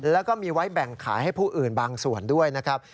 แล้วก็มีไว้แบ่งขายให้ผู้อื่นบางส่วนด้วยนะครับ